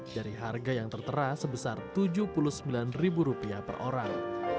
dari harga yang tertera sebesar tujuh puluh sembilan per orang